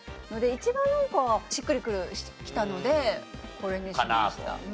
一番なんかしっくりきたのでこれにしました。